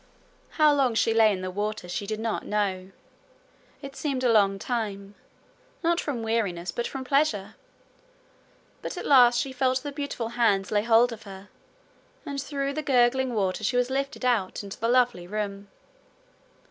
How long she lay in the water she did not know. It seemed a long time not from weariness but from pleasure. But at last she felt the beautiful hands lay hold of her, and through the gurgling water she was lifted out into the lovely room.